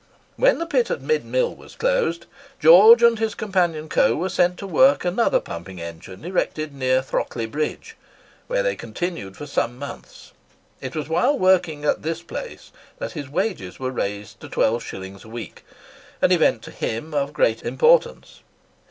When the pit at Mid Mill was closed, George and his companion Coe were sent to work another pumping engine erected near Throckley Bridge, where they continued for some months. It was while working at this place that his wages were raised to 12s. a week—an event to him of great importance.